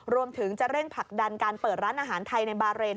รวมถึงจะเร่งผลักดันการเปิดร้านอาหารไทยในบาเรน